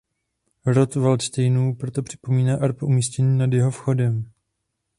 Rod Valdštejnů proto připomíná erb umístěný nad jeho vchodem.